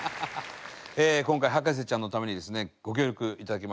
今回『博士ちゃん』のためにですねご協力頂き